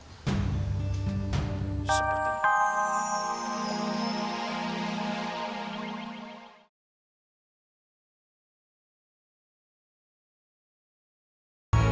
aku merasakan sesuatu lebih karat